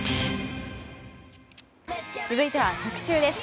続いては特集です。